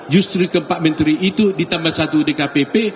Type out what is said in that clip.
justru keempat menteri itu ditambah satu dkpp